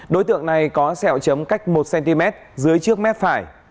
đối tượng này có sẹo chấm cách một cm dưới trước mép phải